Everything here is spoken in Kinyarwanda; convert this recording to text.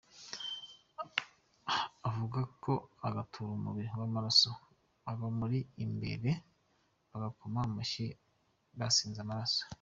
Yavuga agatura umubi w’amaraso abamuri imbere bagakoma amashyi basinze amaraso!